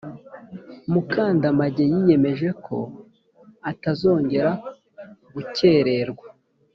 mukandamage yiyemeje ko atazongera gukererwa